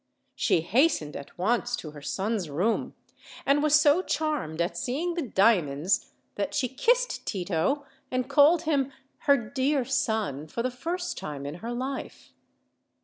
She hastened at once to her son's room, and was so charmed at seeing the diamonds that she kissed Tito, and called him "her dear son," for the first time in her life.